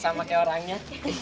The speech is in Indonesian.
sama kayak orangnya